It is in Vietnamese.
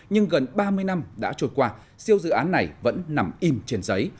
nhưng gần ba mươi năm đã trôi qua siêu dự án này vẫn nằm im trên giấy